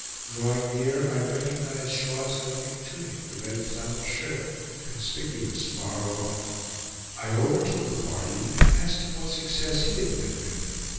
Drawing near, I recognized Shaw's elegant tunic, the red flannel shirt, conspicuous far off. I overtook the party, and asked him what success he had met with.